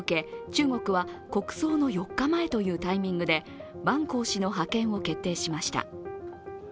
中国は国葬の４日前というタイミングで万鋼氏の派遣を決定しました。